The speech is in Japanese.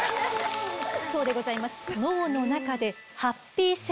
そうでございます。